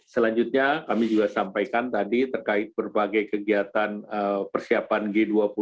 selanjutnya kami juga sampaikan tadi terkait berbagai kegiatan persiapan g dua puluh